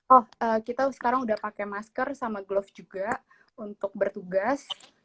oh kita sekarang udah pakai masker sama glove juga untuk bertugas